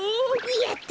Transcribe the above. やった！